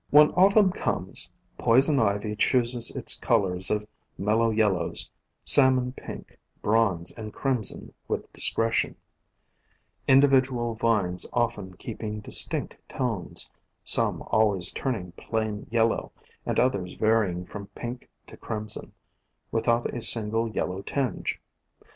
When Autumn comes, Poison Ivy chooses its colors of mellow yellows, salmon pink, bronze and crimson with discretion, individual vines often keeping distinct tones, some always turning plain yellow, and others varying from pink to crim son without a single yellow tinge.